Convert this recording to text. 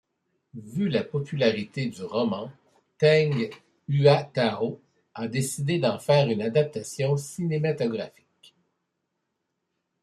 Vu la popularité du roman, Teng Huatao a décidé d'en faire une adaptation cinématographique.